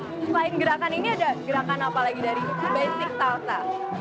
selain gerakan ini ada gerakan apa lagi dari basic talta